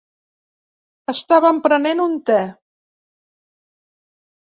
Estàvem prenent un te.